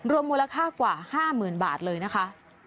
มูลค่ากว่า๕๐๐๐บาทเลยนะคะ